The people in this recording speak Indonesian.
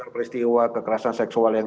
peristiwa kekerasan seksual yang